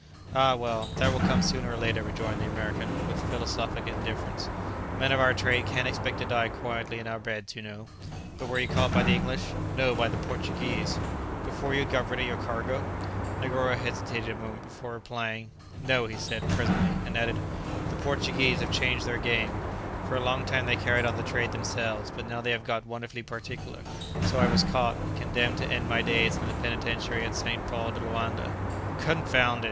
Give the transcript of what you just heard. "Ah, well, that will come sooner or later," rejoined the American with philosophic indifference; "men of our trade can't expect to die quietly in our beds, you know. But were you caught by the English?" "No, by the Portuguese." "Before you had got rid of your cargo?" Negoro hesitated a moment before replying. "No," he said, presently, and added, "The Portuguese have changed their game: for a long time they carried on the trade themselves, but now they have got wonderfully particular; so I was caught, and condemned to end my days in the penitentiary at St. Paul de Loanda." "Confound it!"